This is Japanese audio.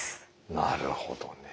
なるほどね。